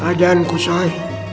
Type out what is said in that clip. ajaan ku syai